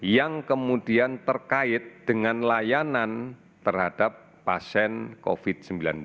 yang kemudian terkait dengan layanan terhadap pasien covid sembilan belas